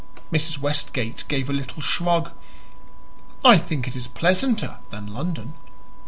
Mrs. Westgate gave a little shrug. "I think it is pleasanter than London."